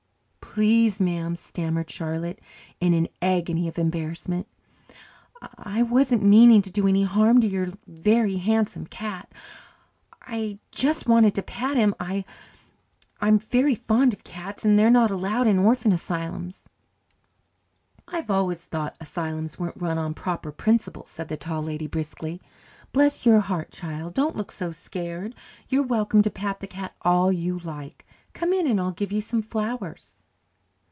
"Please, ma'am," stammered Charlotte in an agony of embarrassment, "I wasn't meaning to do any harm to your Very Handsome Cat. I just wanted to pat him. I I am very fond of cats and they are not allowed in orphan asylums." "I've always thought asylums weren't run on proper principles," said the Tall Lady briskly. "Bless your heart, child, don't look so scared. You're welcome to pat the cat all you like. Come in and I'll give you some flowers."